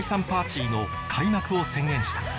パーチーの開幕を宣言した